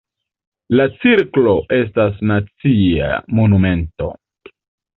La cirklo estas nacia monumento.